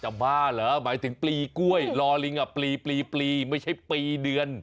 บ้าเหรอหมายถึงปลีกล้วยรอลิงปลีไม่ใช่ปีเดือน